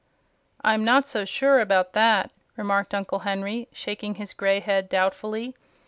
"I'm not so sure about that," remarked Uncle Henry, shaking his gray head doubtfully.